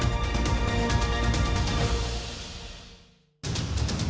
โปรดติดตามตอนต่อไป